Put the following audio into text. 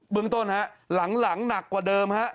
เบื้องต้นหรอหลังหลังหนักกว่าเดิมฮะ